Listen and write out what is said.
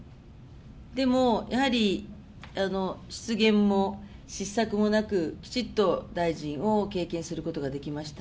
でもやはり、失言も失策もなく、きちっと大臣を経験することができました。